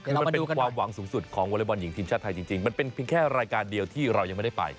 คือมันเป็นความหวังสูงสุดของวอเล็กบอลหญิงทีมชาติไทยจริงมันเป็นเพียงแค่รายการเดียวที่เรายังไม่ได้ไป